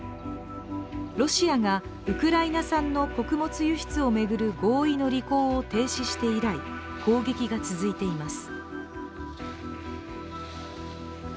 ロシアがウクライナ産の穀物輸出を巡る合意の履行を停止して以来、攻撃が続いています。